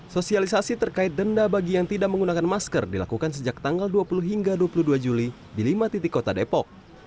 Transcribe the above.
sosialisasi terkait denda bagi yang tidak menggunakan masker dilakukan sejak tanggal dua puluh hingga dua puluh dua juli di lima titik kota depok